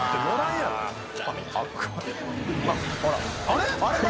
あれ？